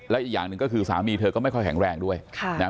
และอีกอย่างหนึ่งก็คือสามีเธอก็ไม่ค่อยแข็งแรงด้วยค่ะนะฮะ